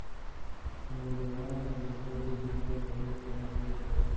یوه وړه یا نیمګړې جمله له بلې سره اړیکې لري.